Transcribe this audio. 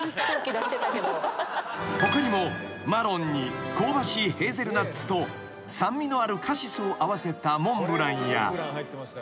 ［他にもマロンに香ばしいヘーゼルナッツと酸味のあるカシスを合わせたモンブランや］